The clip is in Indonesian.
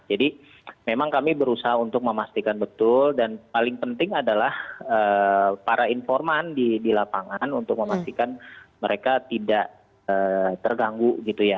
jadi memang kami berusaha untuk memastikan betul dan paling penting adalah para informan di lapangan untuk memastikan mereka tidak terganggu gitu ya